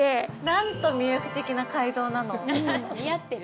なんと魅力的な街道なの。